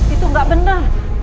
itu nggak benar